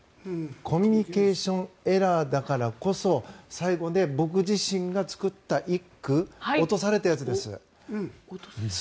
コミュニケーションエラーだからこそ最後、僕自身が作った１句落とされたやつです。